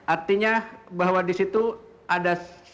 artinya bahwa di situ ada siap beberapa tempat